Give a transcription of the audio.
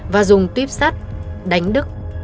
và dùng tuyếp sắt đánh đức